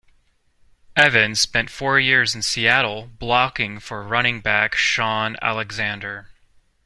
Evans spent four years in Seattle blocking for running back Shaun Alexander.